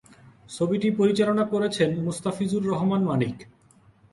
ছবিটি পরিচালনা করেছেন মোস্তাফিজুর রহমান মানিক।